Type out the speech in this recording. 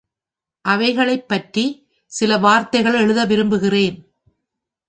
அவைகளைப் பற்றிச் சில வார்த்தைகள் எழுத விரும்புகிறேன்.